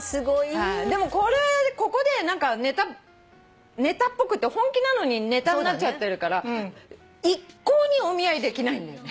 でもこれここで何かネタっぽくって本気なのにネタになっちゃってるから一向にお見合いできないんだよね。